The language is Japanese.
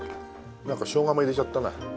なんかショウガも入れちゃったな。